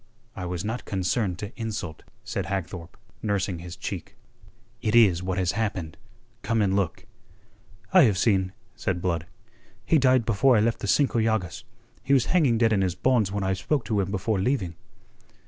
"I was not concerned to insult," said Hagthorpe, nursing his cheek. "It is what has happened. Come and look." "I have seen," said Blood. "He died before I left the Cinco Llagas. He was hanging dead in his bonds when I spoke to him before leaving."